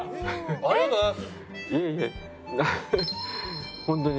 ありがとうございます。